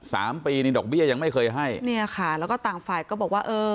สามปีนี่ดอกเบี้ยยังไม่เคยให้เนี่ยค่ะแล้วก็ต่างฝ่ายก็บอกว่าเออ